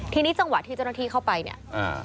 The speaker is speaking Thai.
ทีนี้จังหวะที่เจ้าหน้าที่เข้าไปเนี่ยอ่า